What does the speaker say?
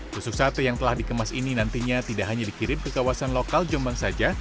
tusuk sate yang telah dikemas ini nantinya tidak hanya dikirim ke kawasan lokal jombang saja